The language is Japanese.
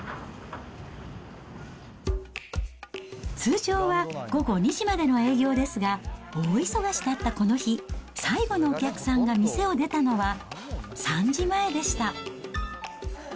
通常は、午後２時までの営業ですが、大忙しだったこの日、最後のお客さんが店を出たのは３時前でした。